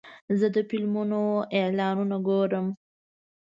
زه د فلمونو اعلانونه ګورم.